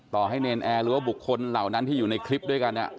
ต่อให้เนรนแอร์หรือว่าบุคคลเหล่านั้นที่อยู่ในคลิปด้วยกัน